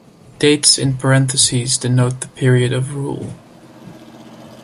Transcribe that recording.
Dates in parentheses denote the period of rule.